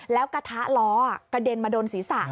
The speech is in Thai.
แล้วกระทะล้อกระเด็นมาโดนศีรษะ